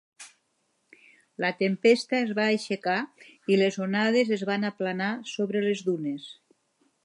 La tempesta es va aixecar i les onades es van aplanar sobre les dunes.